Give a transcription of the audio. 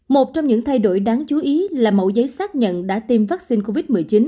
một trong những thay đổi đáng chú ý là mẫu giấy xác nhận đã tiêm vaccine covid một mươi chín